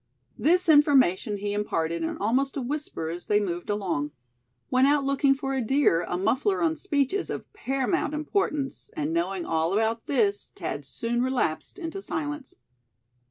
This information he imparted in almost a whisper as they moved along. When out looking for deer, a muffler on speech is of paramount importance; and knowing all about this, Thad soon relapsed into silence.